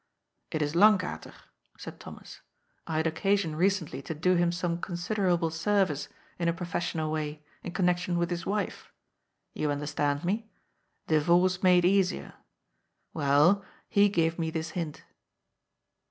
" It is Lankater," said Thomas. " I had occasion recently to do him some considerable service, in a professional way, in connection with his wife. You understand me. Divorce made easier. Well, he gave me this hint."